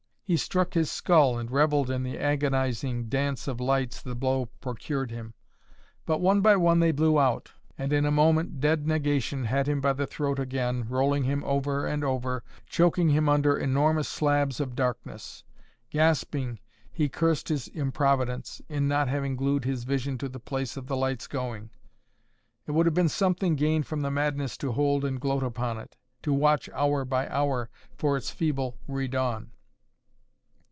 He struck his skull and revelled in the agonizing dance of lights the blow procured him. But one by one they blew out; and in a moment dead negation had him by the throat again, rolling him over and over, choking him under enormous slabs of darkness. Gasping, he cursed his improvidence, in not having glued his vision to the place of the light's going. It would have been something gained from madness to hold and gloat upon it, to watch hour by hour for its feeble redawn.